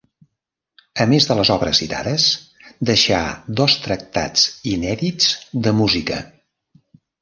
A més de les obres citades deixà dos tractats inèdits de música.